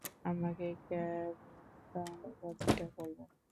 আমাকে কেবল তার উপাধিটা বলবেন?